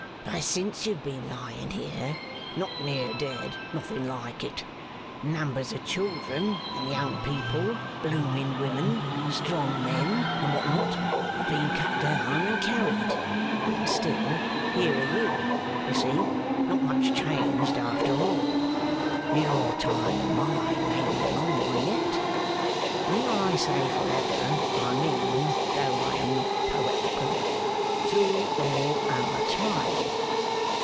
But since you have been lying here not near dead nothing like it numbers of children and young people, blooming women, strong men, and what not, have been cut down and carried; and still here are you, you see, not much changed after all. Your time and mine may be a long one yet. When I say for ever, I mean (though I am not poetical) through all our time.